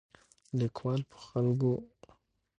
لیکوال په خپلو لیکنو کې دا هڅه کوي.